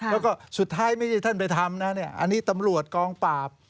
แล้วก็สุดท้ายไม่ใช่ท่านไปทำนะเนี่ยอันนี้ตำรวจกองปราบ